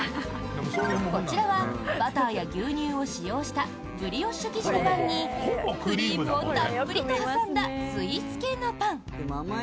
こちらはバターや牛乳を使用したブリオッシュ生地のパンにクリームをたっぷりと挟んだスイーツ系のパン。